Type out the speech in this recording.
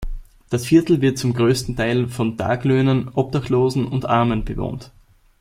Das Viertel wird zum größten Teil von Tagelöhnern, Obdachlosen und Armen bewohnt.